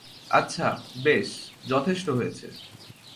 আচ্ছা, বেশ, যথেষ্ট হয়েছে।